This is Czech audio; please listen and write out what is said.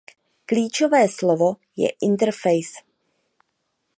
Klíčové slovo je "Interface".